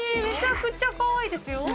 めちゃくちゃかわいいですよ。